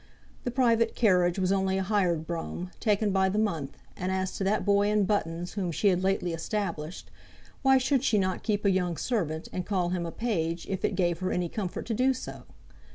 The private carriage was only a hired brougham taken by the month, and as to that boy in buttons whom she had lately established, why should she not keep a young servant, and call him a page, if it gave her any comfort to do so?